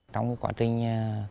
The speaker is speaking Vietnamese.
trong quá trình